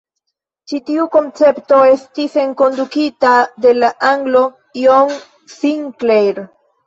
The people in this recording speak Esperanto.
Ĉi tiu koncepto estis enkondukita de la anglo John Sinclair.